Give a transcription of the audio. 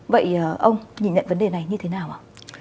vậy ông nhìn nhận vấn đề này như thế nào ạ